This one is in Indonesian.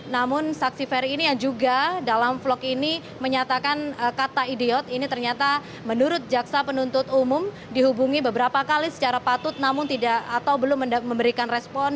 namun saksi ferry ini yang juga dalam vlog ini menyatakan kata idiot ini ternyata menurut jaksa penuntut umum dihubungi beberapa kali secara patut namun tidak atau belum memberikan respon